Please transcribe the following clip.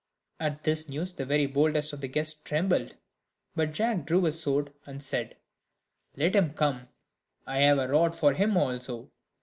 At this news the very boldest of the guests trembled; but Jack drew his sword, and said, "Let him come, I have a rod for him also.